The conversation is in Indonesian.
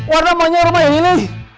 warna banyak rumah yang ini